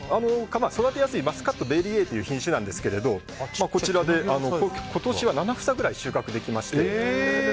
育てやすいマスカット・ベーリーＡという品種なんですけど今年は７房くらい収穫できました。